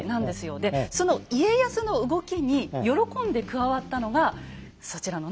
でその家康の動きに喜んで加わったのがそちらのね